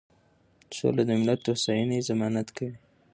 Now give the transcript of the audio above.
سوله د ملت د هوساینې ضمانت کوي.